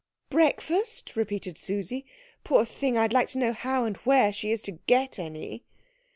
"Breakfast?" repeated Susie; "poor thing, I'd like to know how and where she is to get any."